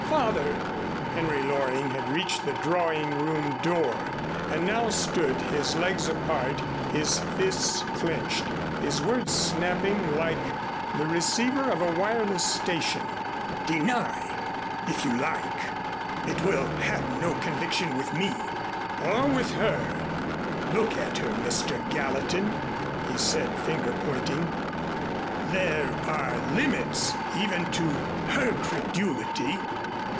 "Father!" Henry Loring had reached the drawing room door and now stood, his legs apart, his fists clenched, his words snapping like the receiver of a wireless station. "Deny if you like! It will have no conviction with me or with her. Look at her, Mr. Gallatin," he said, his finger pointing. "There are limits even to her credulity.